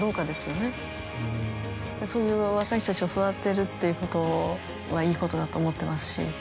そういう若い人たちを育てるっていうことはいいことだと思ってますし。